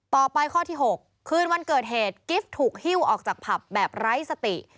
ต่อไปข้อที่๖คืนวันเกิดเหตุกิฟต์ถูกหิ้วออกจากผับแบบไร้สติ